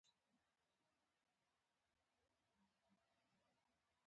د کابل په قره باغ کې د سمنټو مواد شته.